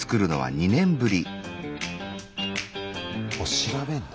調べんの？